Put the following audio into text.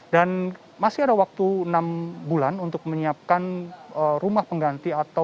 dan masih ada waktu enam bulan untuk menyiapkan rumah pengganti